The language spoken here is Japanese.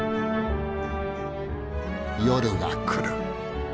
夜が来る。